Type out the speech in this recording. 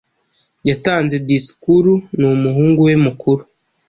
yatanze disikuru ni umuhungu we mukuru